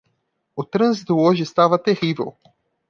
O trânsito hoje estava terrível.